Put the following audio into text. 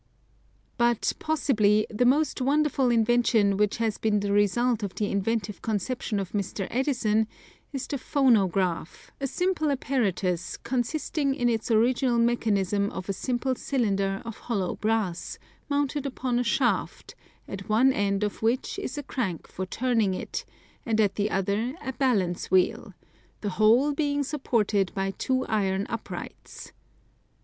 But, possibly, the most wonderful invention which has been the result of the inventive conception of Mr. Edison is the phonograph, a simple apparatus consisting in its original mechanism of a simple cylinder of hollow brass, mounted upon a shaft, at one end of which is a crank for turning it, and at the other a balance wheel, the whole being supported by two iron uprights.